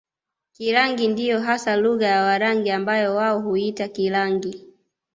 Kirangi ndiyo hasa lugha ya Warangi ambayo wao huiita Kilaangi